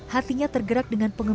hatinya tergerak dengan penyakit